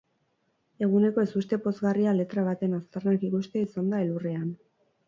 Eguneko ezuste pozgarria lera baten aztarnak ikustea izan da elurrean.